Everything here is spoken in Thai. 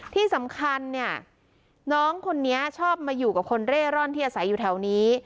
ที่สำคัญเนี่ยน้องคนนี้ชอบมาอยู่กับคนเร่ร่อนที่อาศัยอยู่แถวนี้